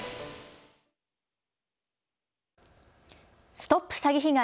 ＳＴＯＰ詐欺被害！